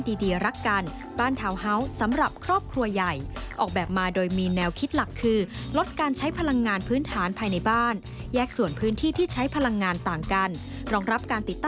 ติดตามพร้อมกันครับ